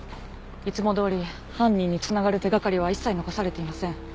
いつも通り犯人につながる手掛かりは一切残されていません。